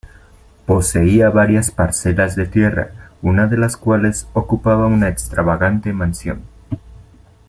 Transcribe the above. Poseía varias parcelas de tierra, una de las cuales ocupaba una extravagante mansión.